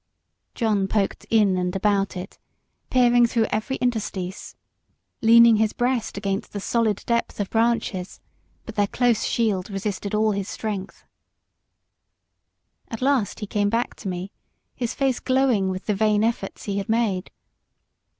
John poked in and about it peering through every interstice leaning his breast against the solid depth of branches; but their close shield resisted all his strength. At last he came back to me, his face glowing with the vain efforts he had made.